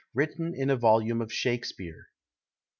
WRITTEN IN A VOLUME OF SHAKSPEARE.